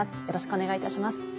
よろしくお願いします。